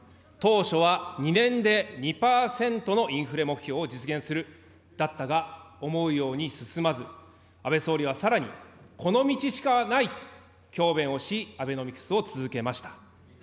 当初は２年で２％のインフレ目標を実現するだったが、思うように進まず、安倍総理はさらに、この道しかないと強弁をし、アベノミクスを続けました。